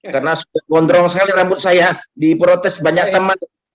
karena sudah gondrong sekali rambut saya di protes banyak teman